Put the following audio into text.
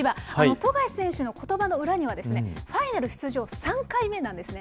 富樫選手のことばの裏には、ファイナル出場３回目なんですね。